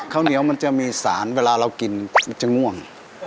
ข้าวเหนียวมันจะมีสารเวลาเรากินมันจะง่วง